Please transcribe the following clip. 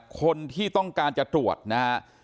คนที่ต้องการจะตรวจนะฮะ